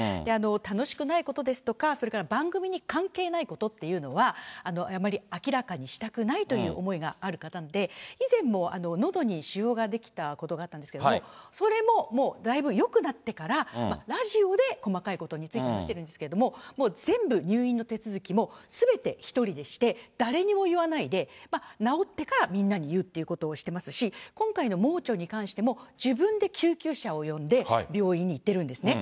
楽しくないことですとか、それから、番組に関係ないことっていうのは、あまり明らかにしたくないという思いがある方で、以前も、のどに腫瘍が出来たことがあったんですけども、それもだいぶよくなってから、ラジオで細かいことについて話してるんですけれども、全部、入院の手続きもすべて１人でして、誰にも言わないで、治ってからみんなに言うということをしていますし、今回の盲腸に関しても、自分で救急車を呼んで、病院に行っているんですね。